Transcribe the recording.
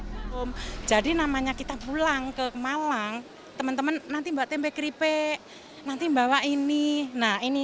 calon penumpang yang sudah tahu aturan baru ini mengaku harus mengantisipasi terkait pengenaan tarif bagasi berbayar tersebut